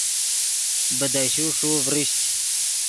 بیدشے ݰو ڤریشچ